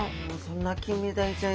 このキンメダイちゃん。